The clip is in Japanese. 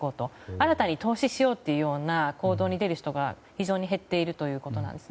新たに投資しようというような行動に出る人が非常に減っているということなんです。